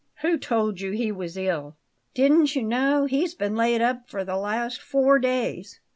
"Who told you he was ill?" "Didn't you know? He's been laid up for the last four days."